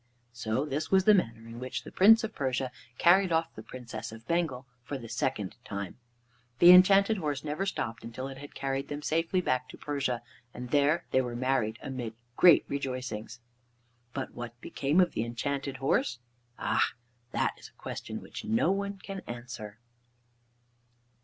So this was the manner in which the Prince of Persia carried off the Princess of Bengal for the second time. The Enchanted Horse never stopped until it had carried them safely back to Persia, and there they were married amid great rejoicings. But what became of the Enchanted Horse? Ah! that is a question which no one can answer.